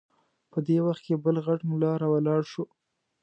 په دې وخت کې بل غټ ملا راولاړ شو.